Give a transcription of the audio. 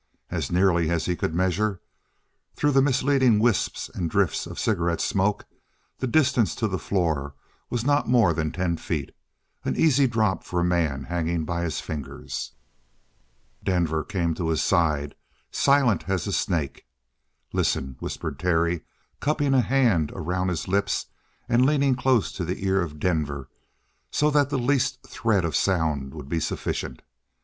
As nearly as he could measure, through the misleading wisps and drifts of cigarette smoke, the distance to the floor was not more than ten feet an easy drop for a man hanging by his fingers. Denver came to his side, silent as a snake. "Listen," whispered Terry, cupping a hand around his lips and leaning close to the ear of Denver so that the least thread of sound would be sufficient.